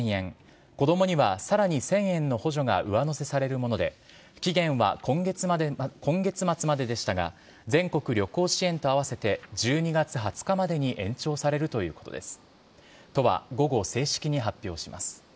子供にはさらに１０００円の補助が上乗せされるもので期限は今月末まででしたが全国旅行支援と併せて１２月２０日までに延長されるということです。